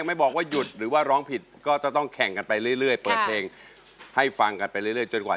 มันโจ๊กแต่ไม่จำ